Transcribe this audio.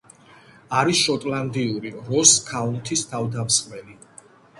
არის შოტლანდიური როს ქაუნთის თავდამსხმელი.